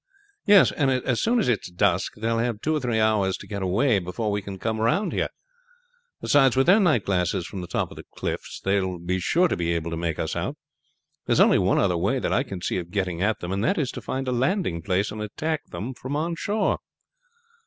"Yes, and as soon as it is dusk they will have two or three hours to get away before we can come round here. Beside, with their night glasses from the top of the cliffs they will be sure to be able to make us out. There is only one other way that I can see of getting at them, that is to find a landing place and attack them from on shore."